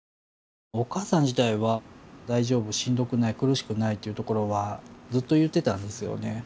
お母さん自体は「大丈夫しんどくない苦しくない」というところはずっと言ってたんですよね。